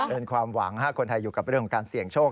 เป็นความหวังคนไทยอยู่กับเรื่องของการเสี่ยงโชค